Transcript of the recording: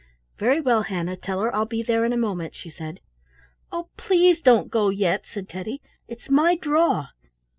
"Very well, Hannah; tell her I'll be there in a moment," she said. "Oh, please don't go yet," said Teddy. "It's my draw.